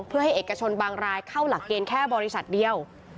เพื่อให้เอกชนบางรายเข้าหลักเกณฑ์แค่บริษัทเดียว